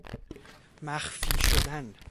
مخفی شدن